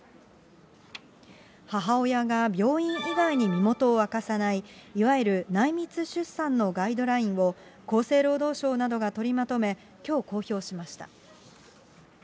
母親が病院以外に身元を明かさない、いわゆる内密出産のガイドラインを、厚生労働省などが取りまとめ、きょう公表しました。